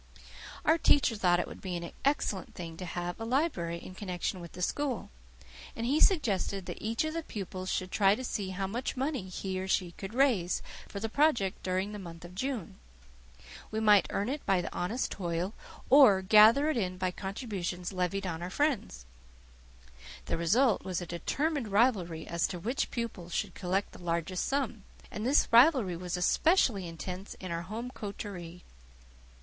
Our teacher thought it would be an excellent thing to have a library in connection with the school; and he suggested that each of the pupils should try to see how much money he or she could raise for the project during the month of June. We might earn it by honest toil, or gather it in by contributions levied on our friends. The result was a determined rivalry as to which pupil should collect the largest sum; and this rivalry was especially intense in our home coterie.